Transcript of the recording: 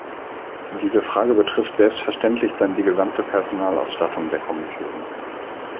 Diese Frage betrifft selbstverständlich dann die gesamte Personalausstattung der Kommission.